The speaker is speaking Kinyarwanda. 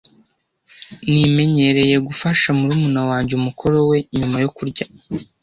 Nimenyereye gufasha murumuna wanjye umukoro we nyuma yo kurya.